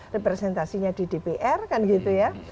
representasinya di dpr kan gitu ya